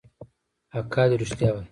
اکا دې ريښتيا وايي.